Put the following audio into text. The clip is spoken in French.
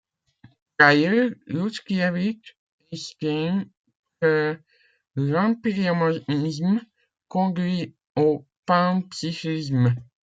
Par ailleurs, Iouchkievitch estime que l'empiriomonisme conduit au panpsychisme.